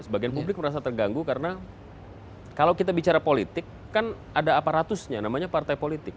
sebagian publik merasa terganggu karena kalau kita bicara politik kan ada aparatusnya namanya partai politik